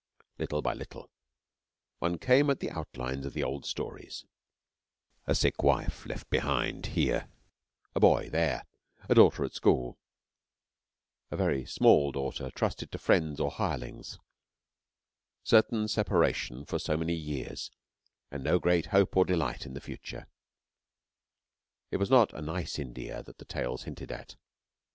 Little by little one came at the outlines of the old stories a sick wife left behind here, a boy there, a daughter at school, a very small daughter trusted to friends or hirelings, certain separation for so many years and no great hope or delight in the future. It was not a nice India that the tales hinted at.